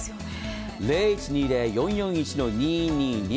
０１２０‐４４１‐２２２番。